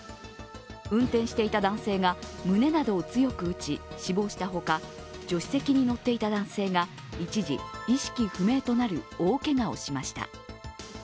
運転していた男性が胸などを強く打ち死亡したほか助手席に乗っていた男性が一時、意識不明となり大けがをしました。